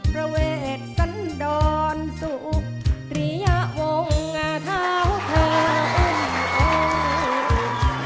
แก้วกันหากุมารีลาวตามเสด็จ